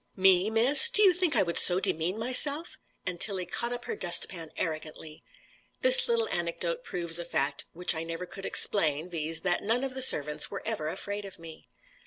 "Me, miss? Do you think I would so demean myself?" And Tilly caught up her dust pan arrogantly. This little anecdote proves a fact which I never could explain, viz. that none of the servants were ever afraid of me.